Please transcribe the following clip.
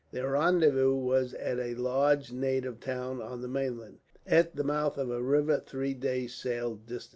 Their rendezvous was at a large native town on the mainland, at the mouth of a river three days' sail distant.